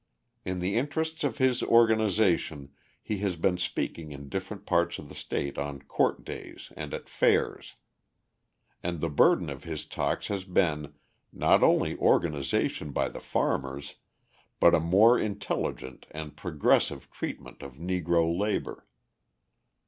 In the interests of his organisation he has been speaking in different parts of the state on court days and at fairs. And the burden of his talks has been, not only organisation by the farmers, but a more intelligent and progressive treatment of Negro labour.